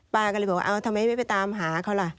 ป้าก็เลยบอกว่าทำไมไม่ไปตามหาเขาล่ะ